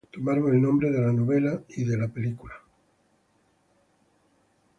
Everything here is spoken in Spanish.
Tomaron el nombre de la novela y película.